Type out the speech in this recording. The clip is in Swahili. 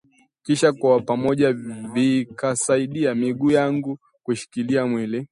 kisha kwa pamoja vikasaidia miguu yangu kushikilia mwili